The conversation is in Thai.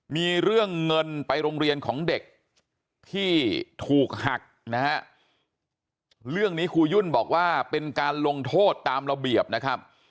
มีเรื่องเงินไปโรงเรียนของเด็กที่ถูกหักนะฮะเรื่องนี้ครูยุ่นบอกว่าเป็นการลงโทษตามระเบียบนะครับ